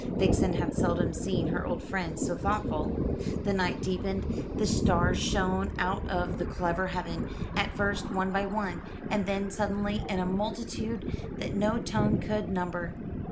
Vixen had seldom seen her old friend so thoughtful. The night deepened, the stars shone out of the clear heaven, at first one by one: and then, suddenly in a multitude that no tongue could number.